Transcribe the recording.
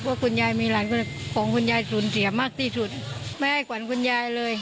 เพราะคุณยายมีหลานของคุณยายสูญเสียมากที่สุดไม่ให้ขวัญคุณยายเลย